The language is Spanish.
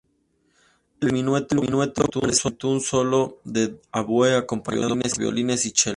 El trío del minueto presenta un solo de oboe acompañado por violines y chelo.